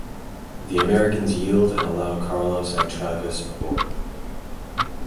The Americans yield and allow Carlos and Travis aboard.